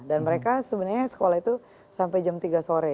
dan mereka sebenarnya sekolah itu sampai jam tiga sore